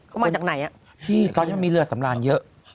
ก็มาจากไหนอะที่ตอนนี้มีเรือสำราญเยอะ